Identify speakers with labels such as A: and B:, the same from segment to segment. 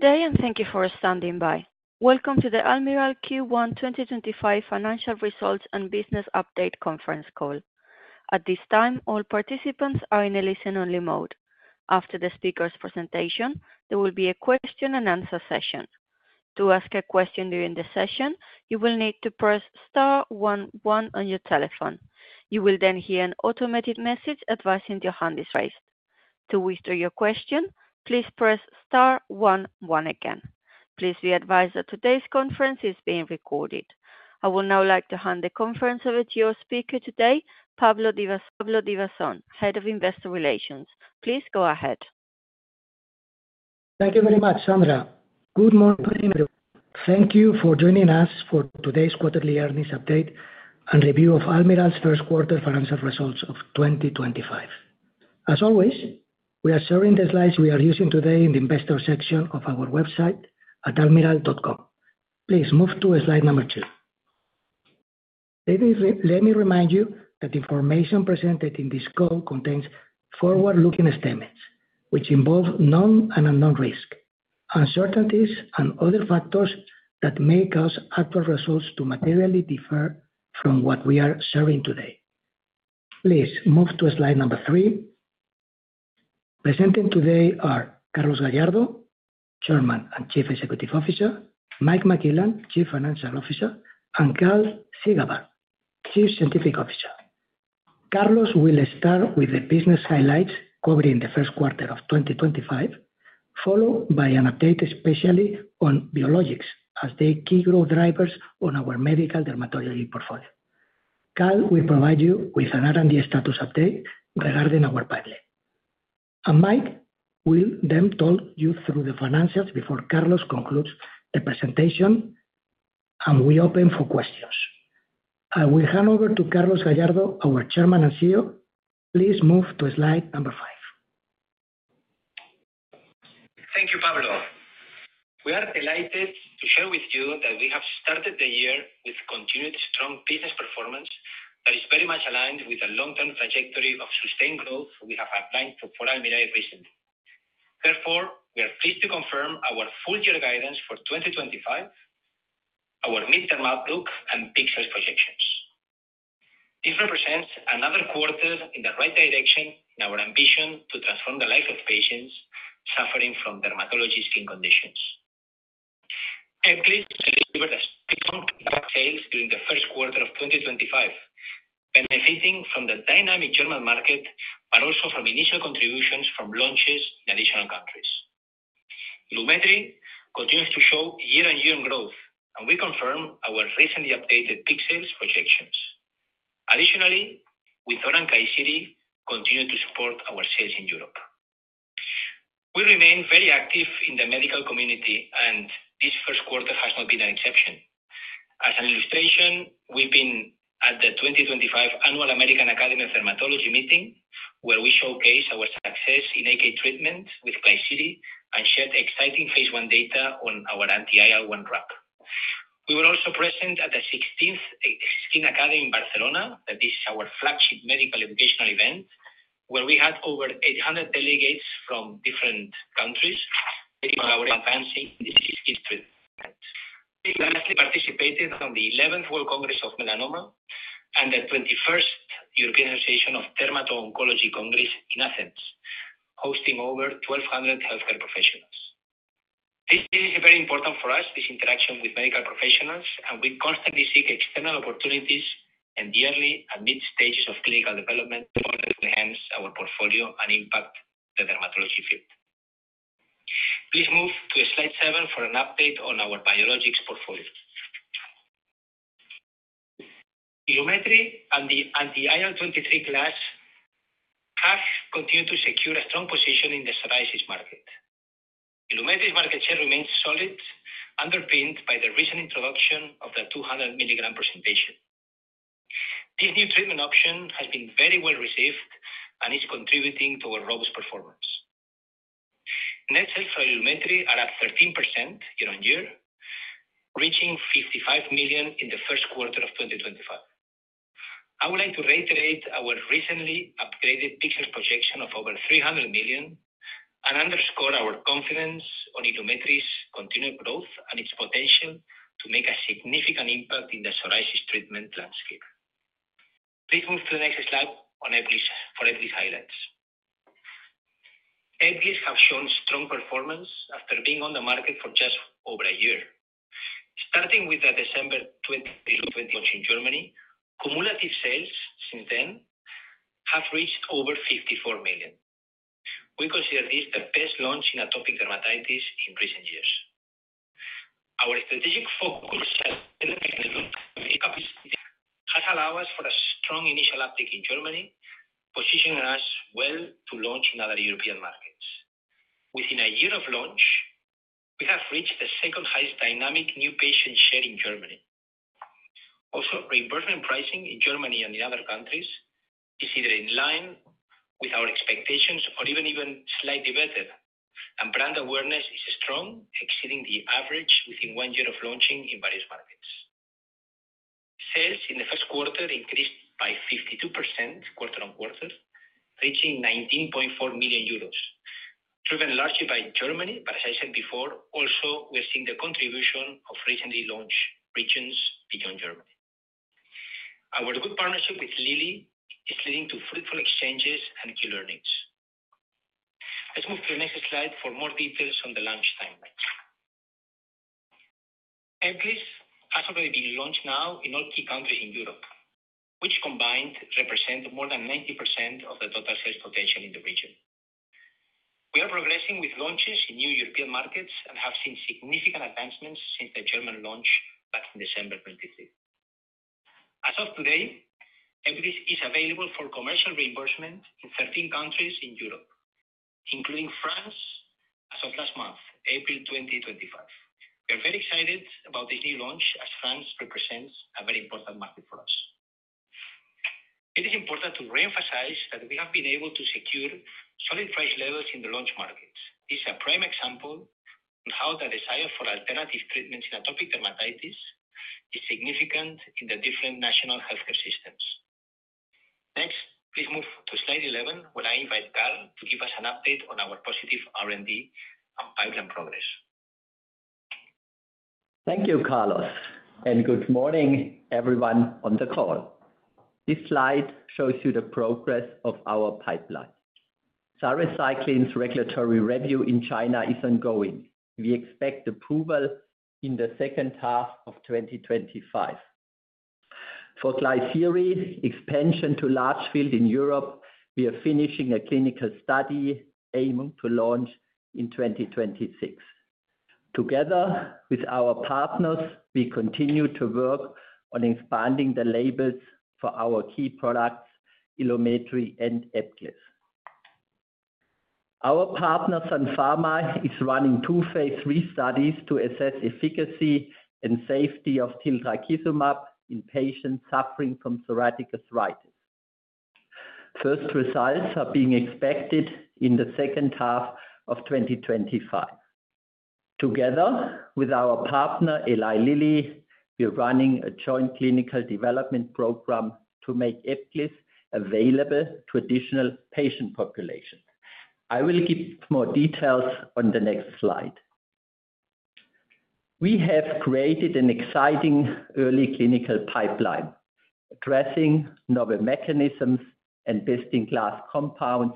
A: Today, and thank you for standing by. Welcome to the Almirall Q1 2025 financial results and business update conference call. At this time, all participants are in a listen-only mode. After the speaker's presentation, there will be a question-and-answer session. To ask a question during the session, you will need to press star one one on your telephone. You will then hear an automated message advising your hand is raised. To withdraw your question, please press star one one again. Please be advised that today's conference is being recorded. I would now like to hand the conference over to your speaker today, Pablo Divasson, Head of Investor Relations. Please go ahead.
B: Thank you very much, Sandra. Good morning, Almirall. Thank you for joining us for today's quarterly earnings update and review of Almirall's first quarter financial results of 2025. As always, we are sharing the slides we are using today in the investor section of our website at almirall.com. Please move to slide number two. Let me remind you that the information presented in this call contains forward-looking statements, which involve known and unknown risk, uncertainties, and other factors that may cause actual results to materially differ from what we are sharing today. Please move to slide number three. Presenting today are Carlos Gallardo, Chairman and Chief Executive Officer; Mike McClellan, Chief Financial Officer; and Karl Ziegelbauer, Chief Scientific Officer. Carlos will start with the business highlights covering the first quarter of 2025, followed by an update especially on biologics as the key growth drivers on our medical dermatology portfolio. Karl will provide you with an R&D status update regarding our pilot. Mike will then talk you through the financials before Carlos concludes the presentation, and we open for questions. I will hand over to Carlos Gallardo, our Chairman and CEO. Please move to slide number five.
C: Thank you, Pablo. We are delighted to share with you that we have started the year with continued strong business performance that is very much aligned with the long-term trajectory of sustained growth we have outlined for Almirall recently. Therefore, we are pleased to confirm our full-year guidance for 2025, our midterm outlook, and PIXA's projections. This represents another quarter in the right direction in our ambition to transform the lives of patients suffering from dermatology skin conditions. Ebglyss delivered strong sales during the first quarter of 2025, benefiting from the dynamic German market, but also from initial contributions from launches in additional countries. Ilumetri continues to show year-on-year growth, and we confirm our recently updated PIXA's projections. Additionally, Wynzora and Klisyri continue to support our sales in Europe. We remain very active in the medical community, and this first quarter has not been an exception. As an illustration, we've been at the 2025 Annual American Academy of Dermatology meeting, where we showcase our success in AK treatment with Actikerall and shared exciting phase one data on our anti-IL-1 drug. We were also present at the 16th Skin Academy in Barcelona, and this is our flagship medical educational event, where we had over 800 delegates from different countries taking part in advancing the skin treatment. We lastly participated in the 11th World Congress of Melanoma and the 21st European Association of Dermato-Oncology Congress in Athens, hosting over 1,200 healthcare professionals. This is very important for us, this interaction with medical professionals, and we constantly seek external opportunities in the early and mid-stages of clinical development in order to enhance our portfolio and impact the dermatology field. Please move to slide seven for an update on our biologics portfolio. Ilumetri and the anti-IL-23 class have continued to secure a strong position in the psoriasis market. Ilumetri's market share remains solid, underpinned by the recent introduction of the 200 mg presentation. This new treatment option has been very well received and is contributing to our robust performance. Net sales for Ilumetri are at 13% year-on-year, reaching 55 million in the first quarter of 2025. I would like to reiterate our recently upgraded PIXA projection of over 300 million and underscore our confidence on Ilumetri's continued growth and its potential to make a significant impact in the psoriasis treatment landscape. Please move to the next slide for Eblas highlights. Eblas has shown strong performance after being on the market for just over a year. Starting with the December 2023 launch in Germany, cumulative sales since then have reached over 54 million. We consider this the best launch in atopic dermatitis in recent years. Our strategic focus has allowed us for a strong initial uptake in Germany, positioning us well to launch in other European markets. Within a year of launch, we have reached the second-highest dynamic new patient share in Germany. Also, reimbursement pricing in Germany and in other countries is either in line with our expectations or even slightly better, and brand awareness is strong, exceeding the average within one year of launching in various markets. Sales in the first quarter increased by 52% quarter on quarter, reaching 19.4 million euros, driven largely by Germany, but as I said before, also we're seeing the contribution of recently launched regions beyond Germany. Our good partnership with Lilly is leading to fruitful exchanges and key learnings. Let's move to the next slide for more details on the launch timeline. Eblas has already been launched now in all key countries in Europe, which combined represent more than 90% of the total sales potential in the region. We are progressing with launches in new European markets and have seen significant advancements since the German launch back in December 2023. As of today, Eblas is available for commercial reimbursement in 13 countries in Europe, including France, as of last month, April 2025. We are very excited about this new launch as France represents a very important market for us. It is important to reemphasize that we have been able to secure solid price levels in the launch markets. This is a prime example of how the desire for alternative treatments in atopic dermatitis is significant in the different national healthcare systems. Next, please move to slide 11, where I invite Karl to give us an update on our positive R&D and pipeline progress.
D: Thank you, Carlos, and good morning, everyone on the call. This slide shows you the progress of our pipeline. Sarecycline's regulatory review in China is ongoing. We expect approval in the second half of 2025. For Skilarence, expansion to large fields in Europe, we are finishing a clinical study aiming to launch in 2026. Together with our partners, we continue to work on expanding the labels for our key products, Ilumetri and Eblas. Our partner Sun Pharma is running two phase research studies to assess efficacy and safety of tildrakizumab in patients suffering from psoriatic arthritis. First results are being expected in the second half of 2025. Together with our partner, Eli Lilly, we're running a joint clinical development program to make Eblas available to additional patient populations. I will give more details on the next slide. We have created an exciting early clinical pipeline addressing novel mechanisms and best-in-class compounds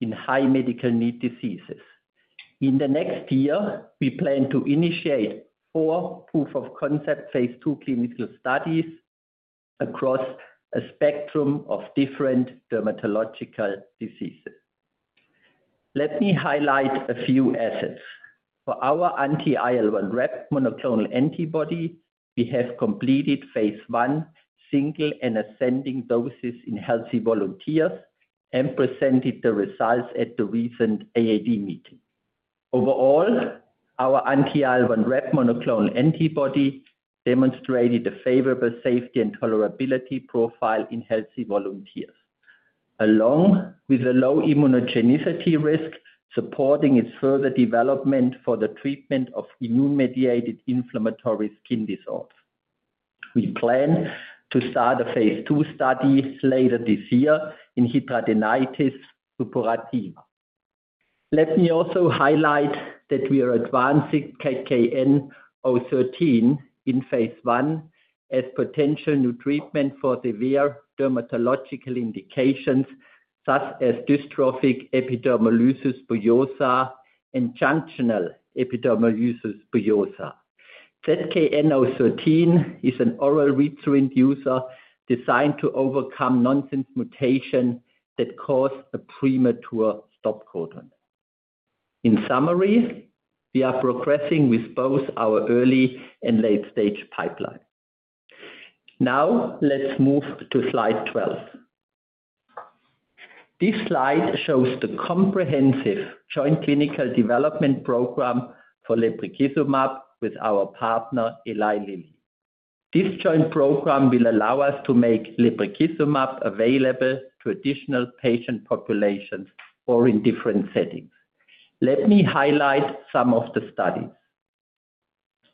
D: in high medical need diseases. In the next year, we plan to initiate four proof-of-concept phase two clinical studies across a spectrum of different dermatological diseases. Let me highlight a few assets. For our anti-IL-1 receptor monoclonal antibody, we have completed phase one single and ascending doses in healthy volunteers and presented the results at the recent AAD meeting. Overall, our anti-IL-1 receptor monoclonal antibody demonstrated a favorable safety and tolerability profile in healthy volunteers, along with a low immunogenicity risk supporting its further development for the treatment of immune-mediated inflammatory skin disorders. We plan to start a phase two study later this year in hidradenitis suppurativa. Let me also highlight that we are advancing KKN-013 in phase one as a potential new treatment for severe dermatological indications such as dystrophic epidermolysis bullosa and junctional epidermolysis bullosa. ZKN-013 is an oral readthrough inducer designed to overcome nonsense mutation that caused a premature stop codon. In summary, we are progressing with both our early and late-stage pipeline. Now, let's move to slide 12. This slide shows the comprehensive joint clinical development program for Eblas with our partner Eli Lilly. This joint program will allow us to make Eblas available to additional patient populations or in different settings. Let me highlight some of the studies.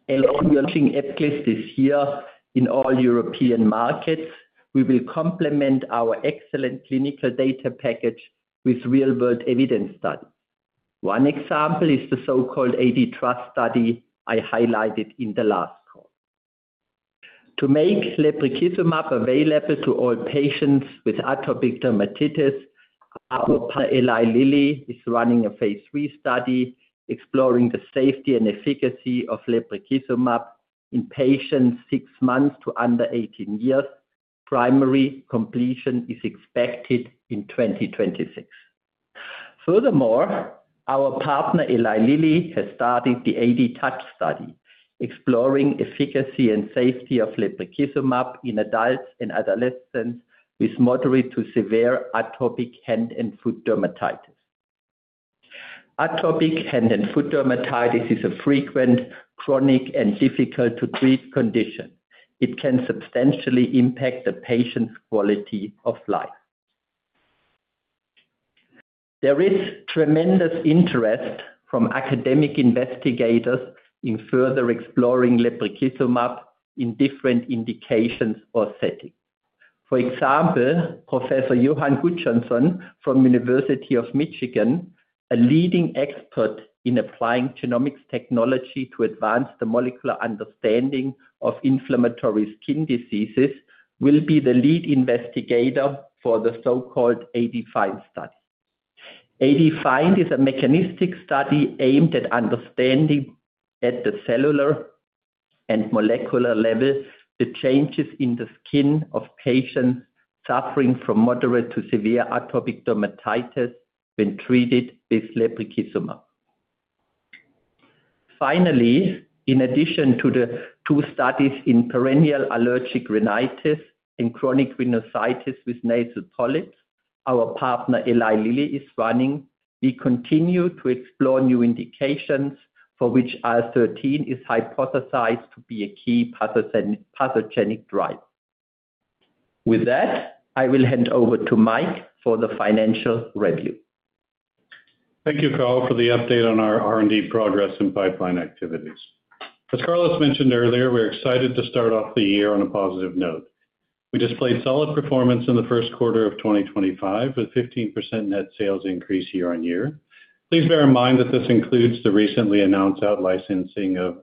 D: Along with launching Eblas this year in all European markets, we will complement our excellent clinical data package with real-world evidence studies. One example is the so-called AD-Trust study I highlighted in the last call. To make Eblas available to all patients with atopic dermatitis, our partner Eli Lilly is running a phase three study exploring the safety and efficacy of Eblas in patients six months to under 18 years. Primary completion is expected in 2026. Furthermore, our partner Eli Lilly has started the AD-Touch study exploring efficacy and safety of lebrikizumab in adults and adolescents with moderate to severe atopic hand and foot dermatitis. Atopic hand and foot dermatitis is a frequent, chronic, and difficult-to-treat condition. It can substantially impact a patient's quality of life. There is tremendous interest from academic investigators in further exploring lebrikizumab in different indications or settings. For example, Professor Johan Gudjonsson from the University of Michigan, a leading expert in applying genomics technology to advance the molecular understanding of inflammatory skin diseases, will be the lead investigator for the so-called AD-FIND study. AD-FIND is a mechanistic study aimed at understanding at the cellular and molecular level the changes in the skin of patients suffering from moderate to severe atopic dermatitis when treated with lebrikizumab. Finally, in addition to the two studies in perennial allergic rhinitis and chronic rhinocitis with nasal polyps our partner Eli Lilly is running, we continue to explore new indications for which IL-13 is hypothesized to be a key pathogenic driver. With that, I will hand over to Mike for the financial review.
E: Thank you, Karl, for the update on our R&D progress and pipeline activities. As Carlos mentioned earlier, we're excited to start off the year on a positive note. We displayed solid performance in the first quarter of 2025 with a 15% net sales increase year-on-year. Please bear in mind that this includes the recently announced outlicensing of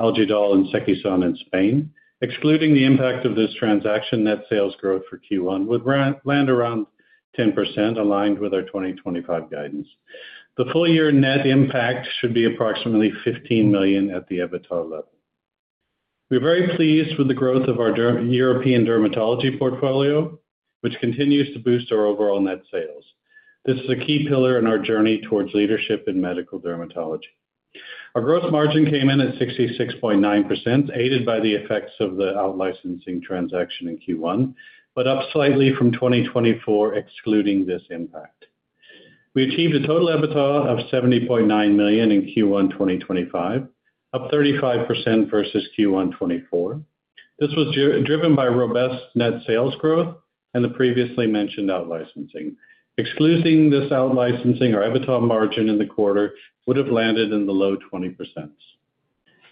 E: Algidol and Cecison in Spain. Excluding the impact of this transaction, net sales growth for Q1 would land around 10%, aligned with our 2025 guidance. The full-year net impact should be approximately 15 million at the EBITDA level. We're very pleased with the growth of our European dermatology portfolio, which continues to boost our overall net sales. This is a key pillar in our journey towards leadership in medical dermatology. Our gross margin came in at 66.9%, aided by the effects of the outlicensing transaction in Q1, but up slightly from 2024, excluding this impact. We achieved a total EBITDA of 70.9 million in Q1 2025, up 35% versus Q1 2024. This was driven by robust net sales growth and the previously mentioned outlicensing. Excluding this outlicensing, our EBITDA margin in the quarter would have landed in the low 20%.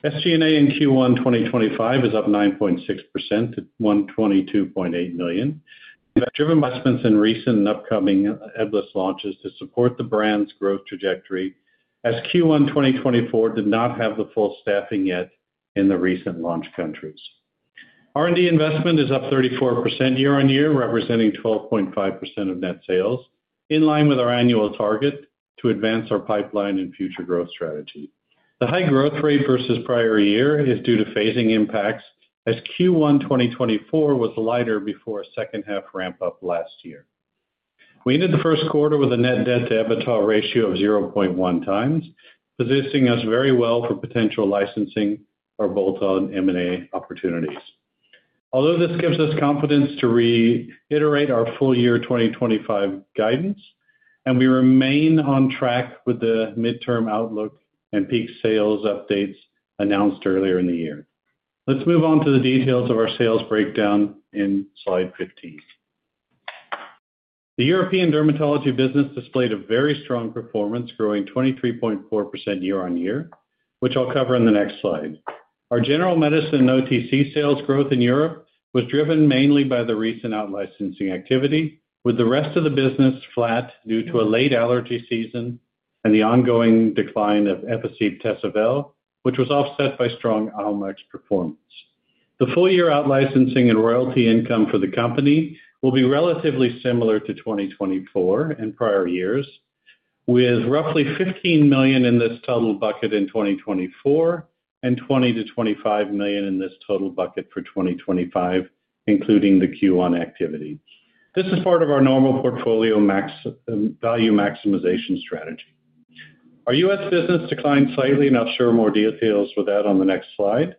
E: SG&A in Q1 2025 is up 9.6% to 122.8 million. We have driven investments in recent and upcoming EBITDA launches to support the brand's growth trajectory as Q1 2024 did not have the full staffing yet in the recent launch countries. R&D investment is up 34% year-on-year, representing 12.5% of net sales, in line with our annual target to advance our pipeline and future growth strategy. The high growth rate versus prior year is due to phasing impacts as Q1 2024 was lighter before a second-half ramp-up last year. We ended the first quarter with a net debt-to-EBITDA ratio of 0.1 times, positioning us very well for potential licensing or bolt-on M&A opportunities. Although this gives us confidence to reiterate our full-year 2025 guidance, we remain on track with the midterm outlook and peak sales updates announced earlier in the year. Let's move on to the details of our sales breakdown in slide 15. The European dermatology business displayed a very strong performance, growing 23.4% year-on-year, which I'll cover in the next slide. Our general medicine and OTC sales growth in Europe was driven mainly by the recent outlicensing activity, with the rest of the business flat due to a late allergy season and the ongoing decline of Epaseep Tessavel, which was offset by strong Almix performance. The full-year outlicensing and royalty income for the company will be relatively similar to 2024 and prior years, with roughly 15 million in this total bucket in 2024 and 20-25 million in this total bucket for 2025, including the Q1 activity. This is part of our normal portfolio value maximization strategy. Our U.S. business declined slightly, and I'll share more details with that on the next slide.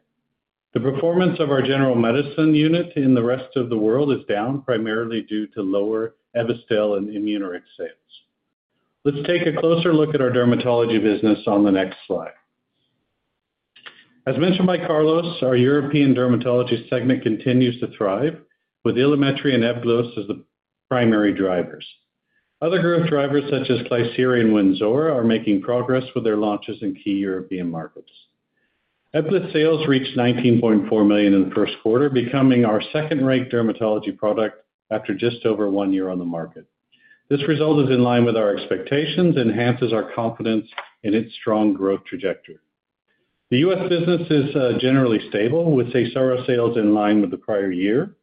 E: The performance of our general medicine unit in the rest of the world is down, primarily due to lower Evistel and Immunorix sales. Let's take a closer look at our dermatology business on the next slide. As mentioned by Carlos, our European dermatology segment continues to thrive, with Ilumetri and Eblas as the primary drivers. Other growth drivers, such as Skilarence and Wynzora, are making progress with their launches in key European markets. Eblas sales reached 19.4 million in the first quarter, becoming our second-ranked dermatology product after just over one year on the market. This result is in line with our expectations and enhances our confidence in its strong growth trajectory. The U.S. business is generally stable, with Seysara sales in line with the prior year.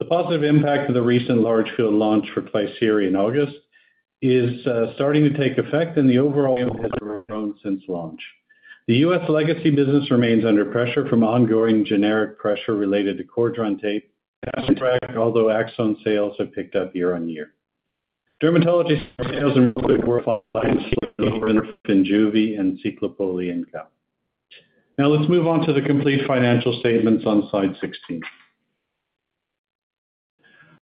E: The positive impact of the recent large field launch for Skilarence in August is starting to take effect, and the overall trend has grown since launch. The U.S. legacy business remains under pressure from ongoing generic pressure related to Cordran tape and aspirin, although Actikerall sales have picked up year-on-year. Dermatology sales and robotic worthwhile lines include Novinriff, Injuvi, and Ciclopoly income. Now, let's move on to the complete financial statements on slide 16.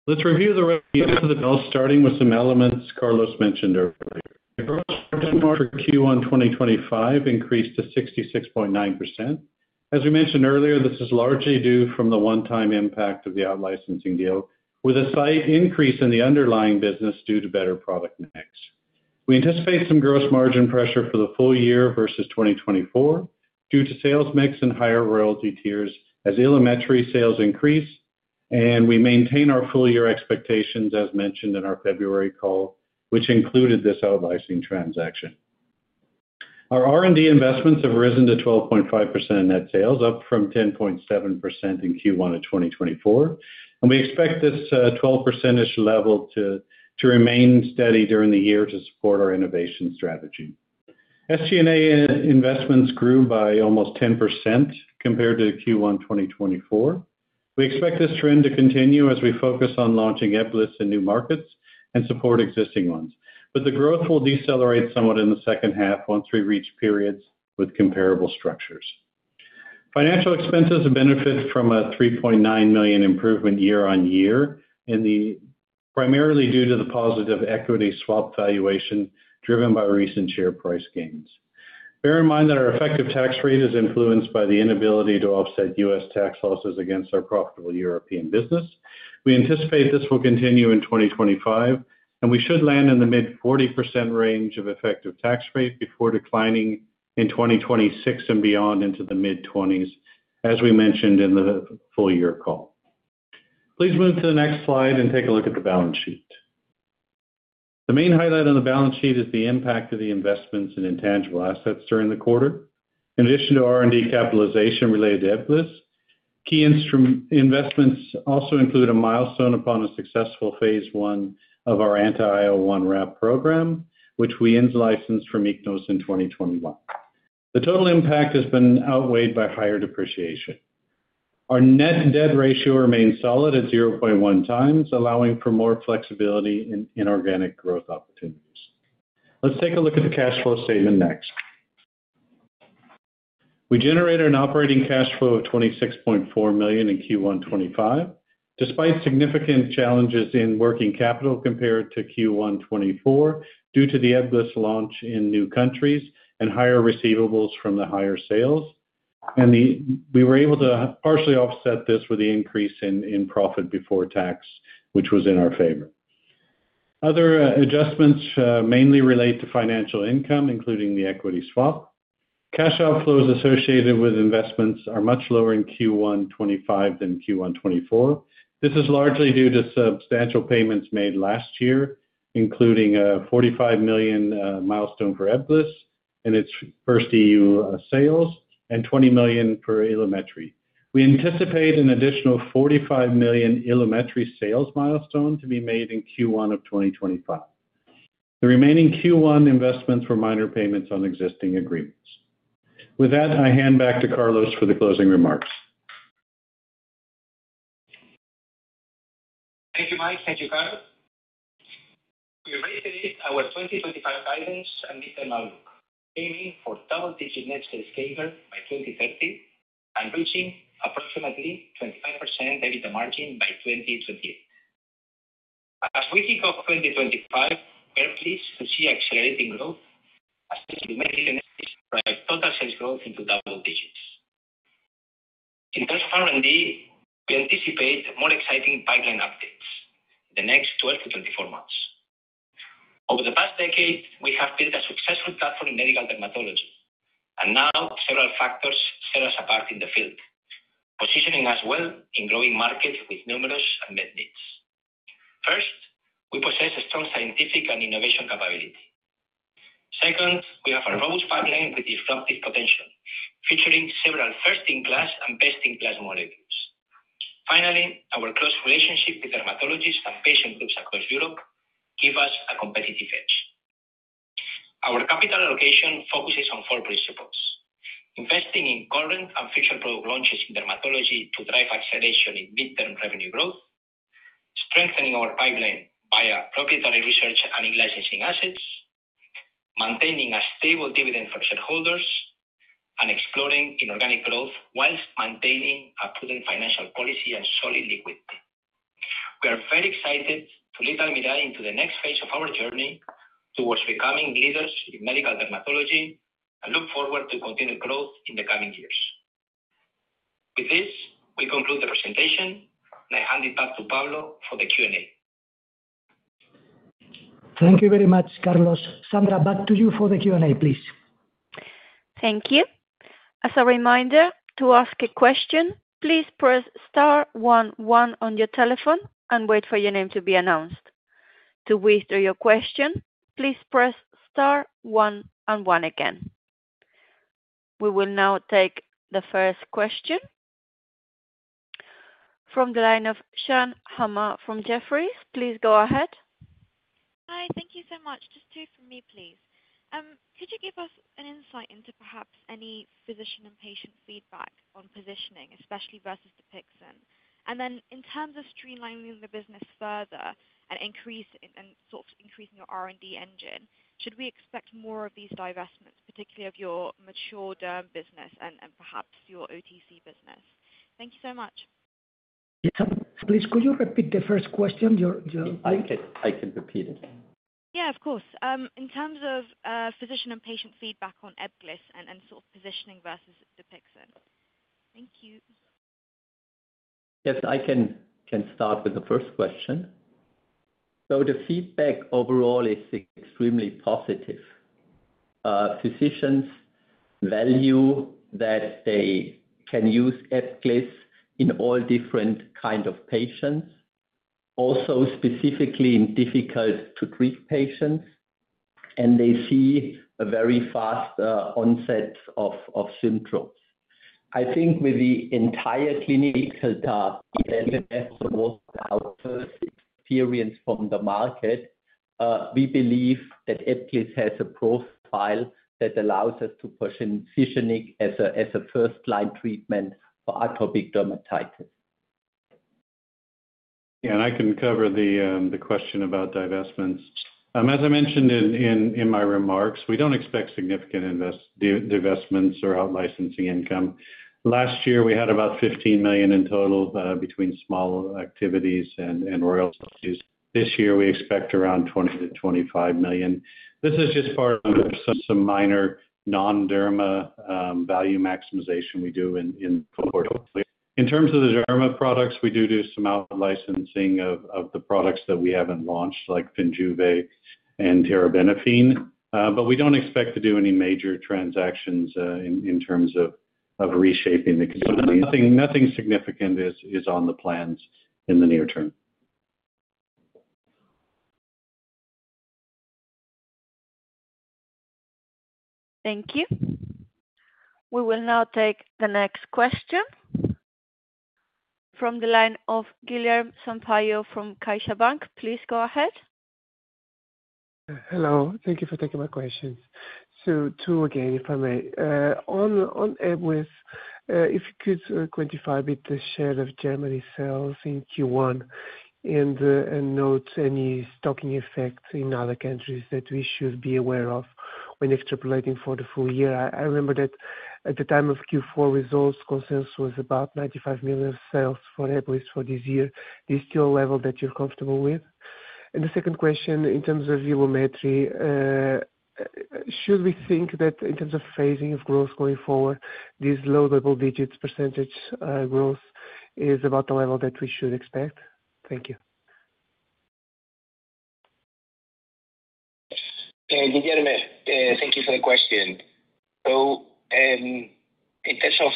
E: Let's review the revenue of Eblas, starting with some elements Carlos mentioned earlier. The gross margin for Q1 2025 increased to 66.9%. As we mentioned earlier, this is largely due to the one-time impact of the outlicensing deal, with a slight increase in the underlying business due to better product mix. We anticipate some gross margin pressure for the full year versus 2024 due to sales mix and higher royalty tiers as Ilumetri sales increase, and we maintain our full-year expectations, as mentioned in our February call, which included this outlicensing transaction. Our R&D investments have risen to 12.5% in net sales, up from 10.7% in Q1 of 2024, and we expect this 12%-ish level to remain steady during the year to support our innovation strategy. SG&A investments grew by almost 10% compared to Q1 2024. We expect this trend to continue as we focus on launching Eblas in new markets and support existing ones, but the growth will decelerate somewhat in the second half once we reach periods with comparable structures. Financial expenses have benefited from a 3.9 million improvement year-on-year, primarily due to the positive equity swap valuation driven by recent share price gains. Bear in mind that our effective tax rate is influenced by the inability to offset U.S. tax losses against our profitable European business. We anticipate this will continue in 2025, and we should land in the mid-40% range of effective tax rate before declining in 2026 and beyond into the mid-20% range, as we mentioned in the full-year call. Please move to the next slide and take a look at the balance sheet. The main highlight on the balance sheet is the impact of the investments in intangible assets during the quarter. In addition to R&D capitalization related to Eblas, key investments also include a milestone upon a successful phase I of our anti-IL-1 receptor program, which we in-licensed from ICNOS in 2021. The total impact has been outweighed by higher depreciation. Our net debt ratio remains solid at 0.1 times, allowing for more flexibility in organic growth opportunities. Let's take a look at the cash flow statement next. We generated an operating cash flow of 26.4 million in Q1 2025, despite significant challenges in working capital compared to Q1 2024 due to the Eblas launch in new countries and higher receivables from the higher sales. We were able to partially offset this with the increase in profit before tax, which was in our favor. Other adjustments mainly relate to financial income, including the equity swap. Cash outflows associated with investments are much lower in Q1 2025 than Q1 2024. This is largely due to substantial payments made last year, including a 45 million milestone for Eblas and its first EU sales, and 20 million for Ilumetri. We anticipate an additional 45 million Ilumetri sales milestone to be made in Q1 of 2025. The remaining Q1 investments were minor payments on existing agreements. With that, I hand back to Carlos for the closing remarks.
C: Thank you, Mike. Thank you, Karl. We reiterate our 2025 guidance and midterm outlook, aiming for double-digit net sales CAGR by 2030 and reaching approximately 25% EBITDA margin by 2028. As we kick off 2025, we're pleased to see accelerating growth, as Ilumetri and Eblas drive total sales growth into double digits. In terms of R&D, we anticipate more exciting pipeline updates in the next 12-24 months. Over the past decade, we have built a successful platform in medical dermatology, and now several factors set us apart in the field, positioning us well in growing markets with numerous unmet needs. First, we possess a strong scientific and innovation capability. Second, we have a robust pipeline with disruptive potential, featuring several first-in-class and best-in-class molecules. Finally, our close relationship with dermatologists and patient groups across Europe gives us a competitive edge. Our capital allocation focuses on four principles: investing in current and future product launches in dermatology to drive acceleration in midterm revenue growth, strengthening our pipeline via proprietary research and in-licensing assets, maintaining a stable dividend for shareholders, and exploring inorganic growth whilst maintaining a prudent financial policy and solid liquidity. We are very excited to lead Almirall into the next phase of our journey towards becoming leaders in medical dermatology and look forward to continued growth in the coming years. With this, we conclude the presentation, and I hand it back to Pablo for the Q&A.
B: Thank you very much, Carlos. Sandra, back to you for the Q&A, please.
A: Thank you. As a reminder, to ask a question, please press star one one on your telephone and wait for your name to be announced. To withdraw your question, please press star one and one again. We will now take the first question from the line of Xiang Hamza from Jefferies. Please go ahead.
F: Hi, thank you so much. Just two from me, please. Could you give us an insight into perhaps any physician and patient feedback on positioning, especially versus Dupixent? In terms of streamlining the business further and increasing your R&D engine, should we expect more of these divestments, particularly of your mature derm business and perhaps your OTC business? Thank you so much.
B: Please, could you repeat the first question?
E: I can repeat it.
F: Yeah, of course. In terms of physician and patient feedback on Eblas and positioning versus Dupixent? Thank you.
D: Yes, I can start with the first question. The feedback overall is extremely positive. Physicians value that they can use Eblas in all different kinds of patients, also specifically in difficult-to-treat patients, and they see a very fast onset of symptoms. I think with the entire clinical task, even after all the experience from the market, we believe that Eblas has a profile that allows us to position it as a first-line treatment for atopic dermatitis.
E: Yeah, and I can cover the question about divestments. As I mentioned in my remarks, we do not expect significant divestments or outlicensing income. Last year, we had about 15 million in total between small activities and royalties. This year, we expect around 20-25 million. This is just part of some minor non-derma value maximization we do in portfolio. In terms of the derma products, we do do some outlicensing of the products that we have not launched, like Fingivi and Terabenafene, but we do not expect to do any major transactions in terms of reshaping the company. Nothing significant is on the plans in the near term.
A: Thank you. We will now take the next question from the line of Guillermo Sampayo from Kaiser Bank. Please go ahead.
G: Hello. Thank you for taking my questions. Two again, if I may. On Eblas, if you could quantify a bit the share of Germany's sales in Q1 and note any stocking effect in other countries that we should be aware of when extrapolating for the full year. I remember that at the time of Q4 results, consensus was about 95 million sales for Eblas for this year. Is this still a level that you're comfortable with? The second question, in terms of Ilumetri, should we think that in terms of phasing of growth going forward, this low double-digit % growth is about the level that we should expect? Thank you.
C: Guillermo, thank you for the question. In terms of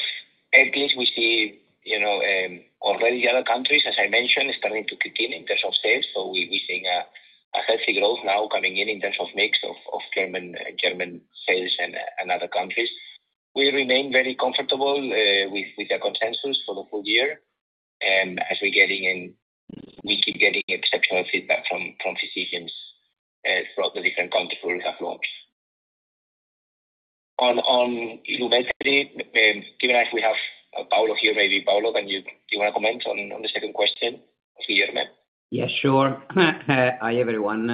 C: Eblas, we see already other countries, as I mentioned, starting to continue in terms of sales. We are seeing a healthy growth now coming in in terms of mix of German sales and other countries. We remain very comfortable with the consensus for the full year. As we are getting in, we keep getting exceptional feedback from physicians throughout the different countries where we have launched. On Ilumetri, given that we have Paolo here, maybe Paolo, do you want to comment on the second question of Guillermo?
H: Yeah, sure. Hi, everyone.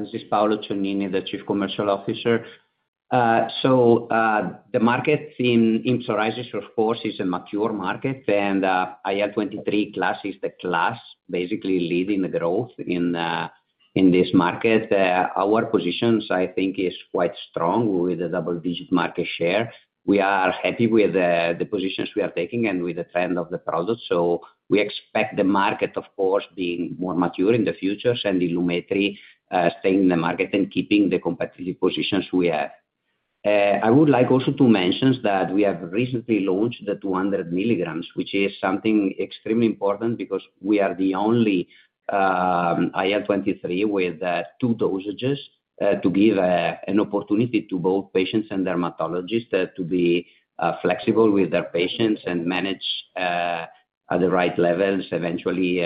H: This is Paolo Cionini, the Chief Commercial Officer. The market in psoriasis, of course, is a mature market, and IL-23 class is the class basically leading the growth in this market. Our positions, I think, are quite strong with the double-digit market share. We are happy with the positions we are taking and with the trend of the product. We expect the market, of course, being more mature in the future and Ilumetri staying in the market and keeping the competitive positions we have. I would like also to mention that we have recently launched the 200 mg, which is something extremely important because we are the only IL-23 with two dosages to give an opportunity to both patients and dermatologists to be flexible with their patients and manage at the right levels, eventually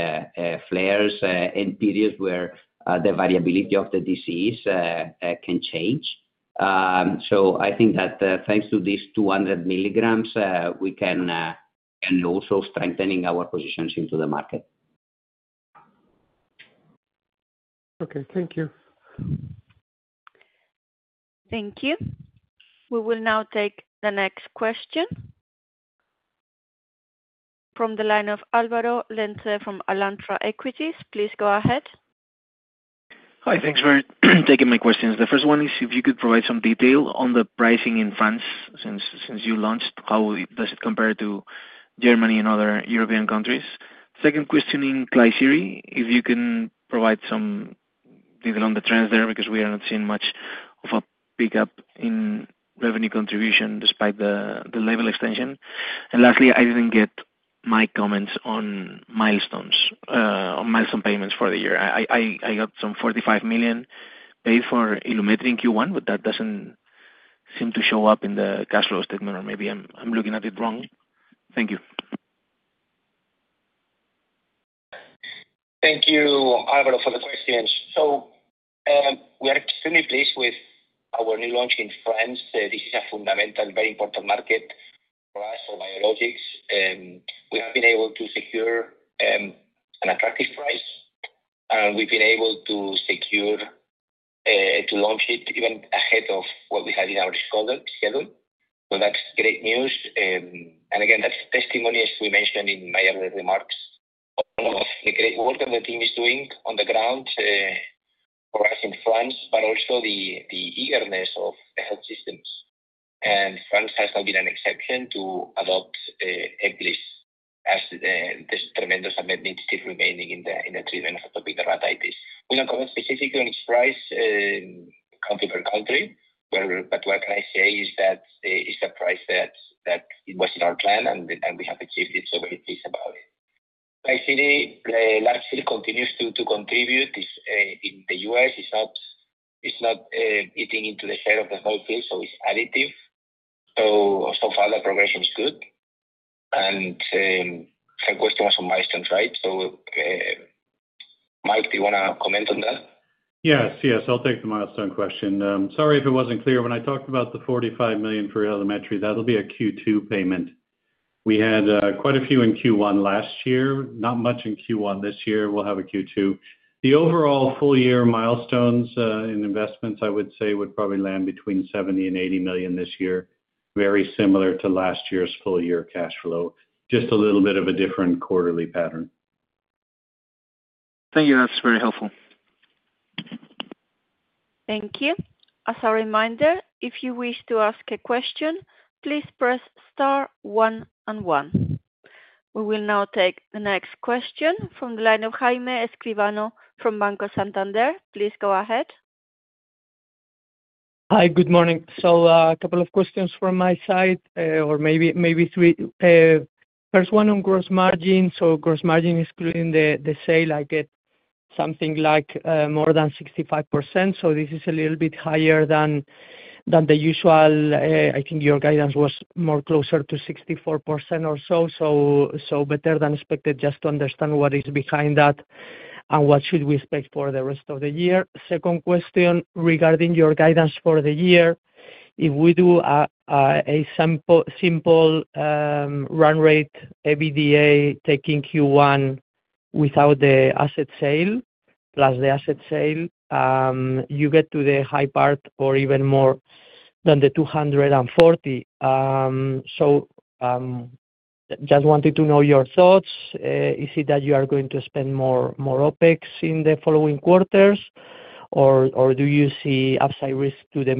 H: flares and periods where the variability of the disease can change. I think that thanks to these 200 mg, we can also strengthen our positions into the market.
G: Okay, thank you.
A: Thank you. We will now take the next question from the line of Álvaro Lenze from Alantra Equities. Please go ahead.
I: Hi, thanks for taking my questions. The first one is if you could provide some detail on the pricing in France since you launched. How does it compare to Germany and other European countries? Second question on Klisyri, if you can provide some detail on the trends there because we are not seeing much of a pickup in revenue contribution despite the label extension. Lastly, I did not get your comments on milestone payments for the year. I got some 45 million paid for Ilumetri in Q1, but that does not seem to show up in the cash flow statement, or maybe I am looking at it wrong. Thank you.
C: Thank you, Álvaro, for the questions. We are extremely pleased with our new launch in France. This is a fundamental, very important market for us, for biologics. We have been able to secure an attractive price, and we have been able to launch it even ahead of what we had in our schedule. That is great news. Again, that is testimony, as we mentioned in my earlier remarks, of the great work that the team is doing on the ground for us in France, but also the eagerness of the health systems. France has not been an exception to adopt Eblas as this tremendous unmet need still remains in the treatment of atopic dermatitis. We don't comment specifically on its price country per country, but what I can say is that it's a price that was in our plan, and we have achieved it, so very pleased about it. Klisyri, large field continues to contribute. In the U.S., it's not eating into the share of the small field, so it's additive. So far, the progression is good. The question was on milestones, right? Mike, do you want to comment on that?
E: Yes, yes. I'll take the milestone question. Sorry if it wasn't clear. When I talked about the 45 million for Ilumetri, that'll be a Q2 payment. We had quite a few in Q1 last year, not much in Q1 this year. We'll have a Q2. The overall full-year milestones in investments, I would say, would probably land between 70 million-80 million this year, very similar to last year's full-year cash flow, just a little bit of a different quarterly pattern.
I: Thank you. That's very helpful.
A: Thank you. As a reminder, if you wish to ask a question, please press star one and one. We will now take the next question from the line of Jaime Escribano from Banco Santander. Please go ahead.
J: Hi, good morning. A couple of questions from my side, or maybe three. First one on gross margin. Gross margin excluding the sale, I get something like more than 65%. This is a little bit higher than the usual. I think your guidance was more closer to 64% or so, so better than expected. Just to understand what is behind that and what should we expect for the rest of the year. Second question regarding your guidance for the year. If we do a simple run rate EBITDA taking Q1 without the asset sale, plus the asset sale, you get to the high part or even more than the 240. Just wanted to know your thoughts. Is it that you are going to spend more OPEX in the following quarters, or do you see upside risk to the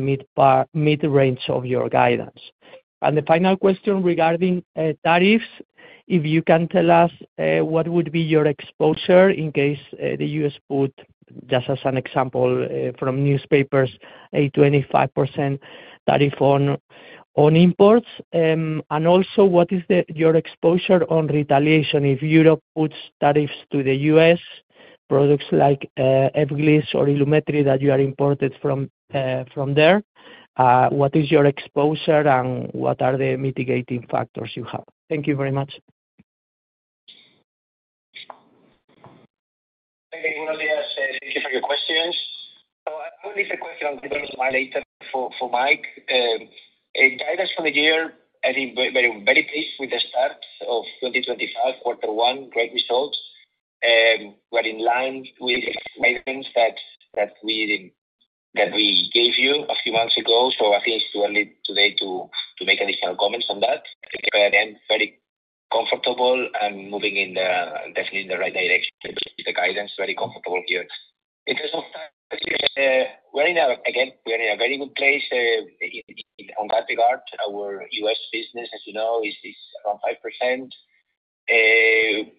J: mid-range of your guidance? The final question regarding tariffs. If you can tell us what would be your exposure in case the U.S. put, just as an example from newspapers, a 25% tariff on imports. Also, what is your exposure on retaliation if Europe puts tariffs to the U.S., products like Eblas or Ilumetri that you are importing from there? What is your exposure, and what are the mitigating factors you have? Thank you very much.
C: Okay, good morning. Thank you for your questions. I will leave the question on the line later for Mike. Guidance for the year, I think very pleased with the start of 2025, quarter one, great results. We are in line with the guidance that we gave you a few months ago. I think it's too early today to make additional comments on that. I think we are very comfortable and moving definitely in the right direction. The guidance is very comfortable here. In terms of tariffs, again, we are in a very good place on that regard. Our U.S. business, as you know, is around 5%.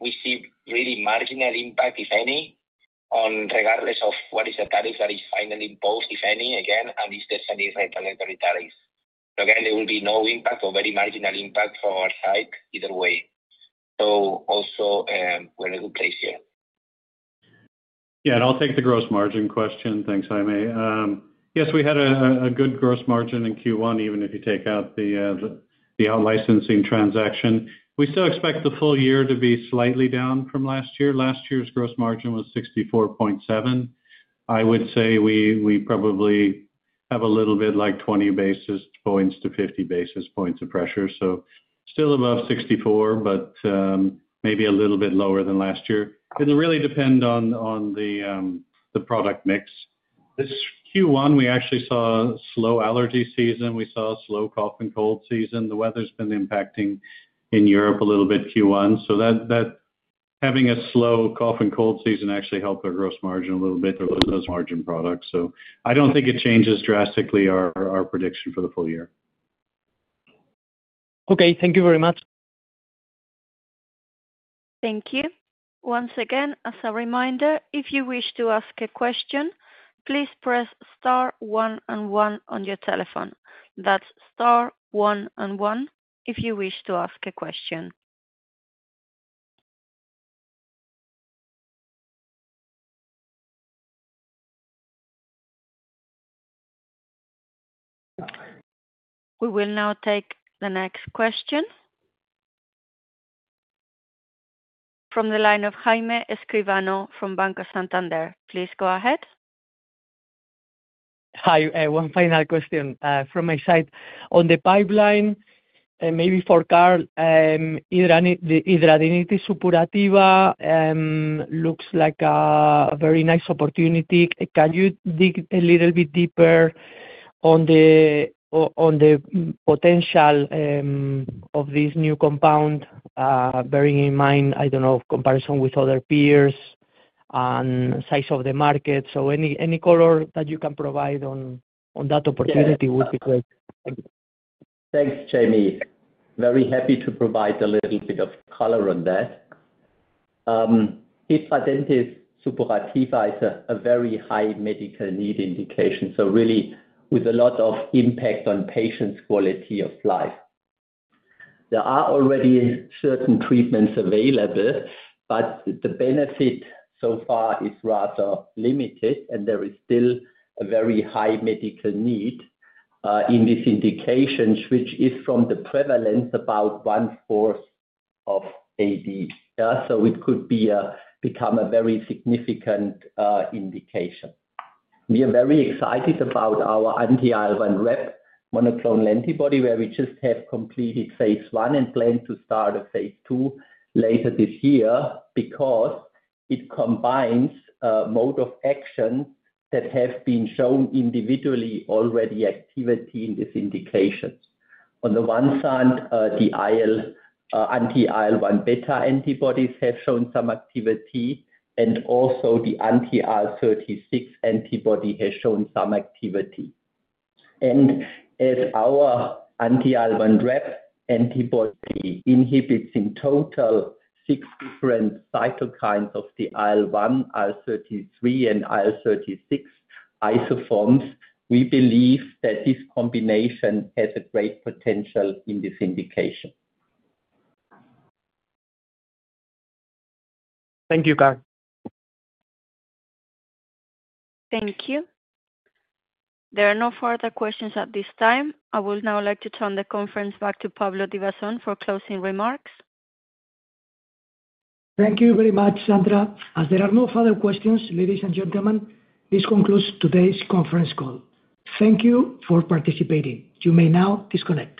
C: We see really marginal impact, if any, regardless of what is the tariff that is finally imposed, if any, again, and if there's any retaliatory tariffs. There will be no impact or very marginal impact from our side either way. Also, we're in a good place here.
E: Yeah, and I'll take the gross margin question. Thanks, Jaime. Yes, we had a good gross margin in Q1, even if you take out the outlicensing transaction. We still expect the full year to be slightly down from last year. Last year's gross margin was 64.7%. I would say we probably have a little bit like 20 basis points to 50 basis points of pressure. So still above 64%, but maybe a little bit lower than last year. It'll really depend on the product mix. This Q1, we actually saw a slow allergy season. We saw a slow cough and cold season. The weather's been impacting in Europe a little bit Q1. Having a slow cough and cold season actually helped our gross margin a little bit or those margin products. I don't think it changes drastically our prediction for the full year.
J: Okay, thank you very much.
A: Thank you. Once again, as a reminder, if you wish to ask a question, please press star one and one on your telephone. That's star one and one if you wish to ask a question. We will now take the next question from the line of Jaime Escribano from Banco Santander. Please go ahead.
J: Hi, one final question from my side. On the pipeline, maybe for Karl, the hidradenitis suppurativa looks like a very nice opportunity. Can you dig a little bit deeper on the potential of this new compound, bearing in mind, I don't know, comparison with other peers and size of the market? Any color that you can provide on that opportunity would be great.
D: Thanks, Jaime. Very happy to provide a little bit of color on that. Hidradenitis suppurativa is a very high medical need indication, so really with a lot of impact on patients' quality of life. There are already certain treatments available, but the benefit so far is rather limited, and there is still a very high medical need in these indications, which is from the prevalence about one fourth of AD. It could become a very significant indication. We are very excited about our anti-IL-1 receptor monoclonal antibody, where we just have completed phase one and plan to start a phase two later this year because it combines mode of action that have been shown individually already activity in these indications. On the one side, the anti-IL-1 beta antibodies have shown some activity, and also the anti-IL-36 antibody has shown some activity. As our anti-IL-1 receptor antibody inhibits in total six different cytokines of the IL-1, IL-33, and IL-36 isoforms, we believe that this combination has a great potential in this indication.
J: Thank you, Karl.
A: Thank you. There are no further questions at this time. I would now like to turn the conference back to Pablo Divasson for closing remarks.
B: Thank you very much, Sandra. As there are no further questions, ladies and gentlemen, this concludes today's conference call. Thank you for participating. You may now disconnect.